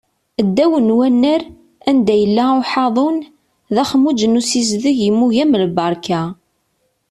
Ddaw n unnar, anda yella uḥaḍun, d axmuj n usizdeg immug am lberka.